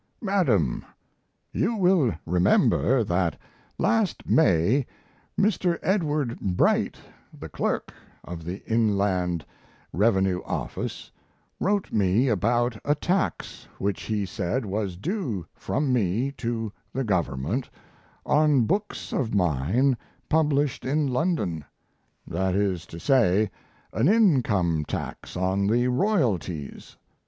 MADAM, You will remember that last May Mr. Edward Bright, the clerk of the Inland Revenue Office, wrote me about a tax which he said was due from me to the Government on books of mine published in London that is to say, an income tax on the royalties.